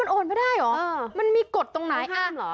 มันโอนไม่ได้หรอ